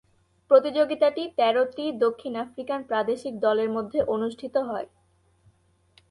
প্রতিযোগিতাটি তেরোটি দক্ষিণ আফ্রিকান প্রাদেশিক দলের মধ্যে অনুষ্ঠিত হয়।